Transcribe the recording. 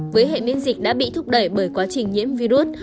với hệ miễn dịch đã bị thúc đẩy bởi quá trình nhiễm virus